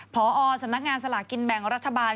พอสำนักงานสลากกินแบ่งรัฐบาล